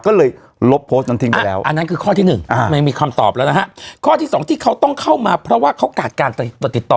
ก็เลยลบโพสต์นั้นทิ้งไปแล้วอันนั้นคือข้อที่หนึ่งไม่มีคำตอบแล้วนะฮะข้อที่สองที่เขาต้องเข้ามาเพราะว่าเขาขาดการติดต่อ